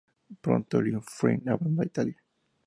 Pronto Liutfrid abandonó Italia.